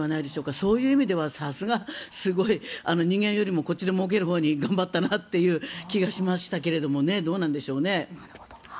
そういう意味では、さすが人間よりもこっちでもうけるほうに頑張ったなという気がしましたけどもね。